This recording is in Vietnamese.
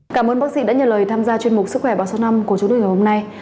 cảm ơn bác sĩ đã nhờ lời tham gia chuyên mục sức khỏe ba trăm sáu mươi năm của chúng tôi ngày hôm nay